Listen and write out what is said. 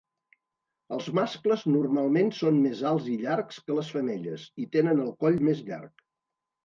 Els mascles normalment són més alts i llargs que les femelles, i tenen el coll més llarg.